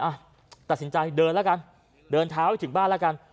อ่ะตัดสินใจเดินแล้วกันเดินเท้าให้ถึงบ้านแล้วกัน